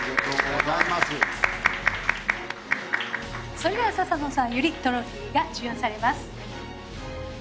それでは笹野さんよりトロフィーが授与されます。